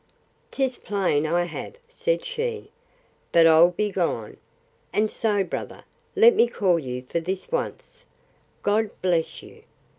'Tis plain I have, said she. But I'll begone.—And so, brother, let me call you for this once! God bless you!